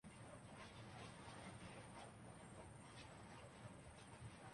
پورے پاکستان میں